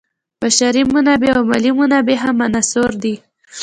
بشري منابع او مالي منابع هم عناصر دي.